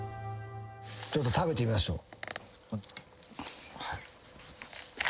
ちょっと食べてみましょう。